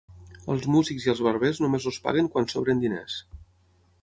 Als músics i als barbers només els paguen quan sobren diners.